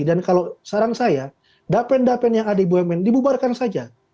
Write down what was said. dan kalau saran saya dapen dapen yang ada di bumn dibubarkan saja